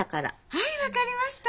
はい分かりました。